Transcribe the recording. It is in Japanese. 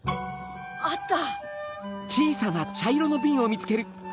あった！